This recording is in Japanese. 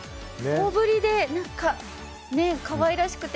大ぶりで可愛らしくて。